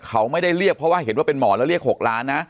เขาไม่ได้เรียกเพราะว่าเห็นว่าเป็นหมอแล้วเรียก๖ล้านนะ